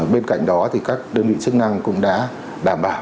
bên cạnh đó thì các đơn vị chức năng cũng đã đảm bảo